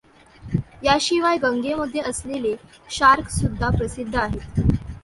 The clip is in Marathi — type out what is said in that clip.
याशिवाय गंगेमध्ये असलेले शार्कसुद्धा प्रसिद्ध आहेत.